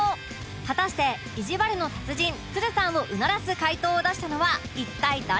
果たしていじわるの達人つるさんをうならす回答を出したのは一体誰なのか？